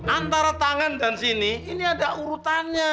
antara tangan dan sini ini ada urutannya